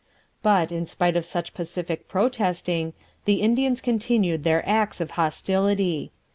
But, in spite of such pacific protesting, the Indians continued their acts of hostility.